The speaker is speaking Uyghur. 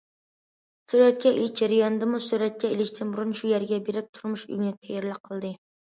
سۈرەتكە ئېلىش جەريانىدىمۇ، سۈرەتكە ئېلىشتىن بۇرۇن شۇ يەرگە بېرىپ، تۇرمۇش ئۆگىنىپ، تەييارلىق قىلدى.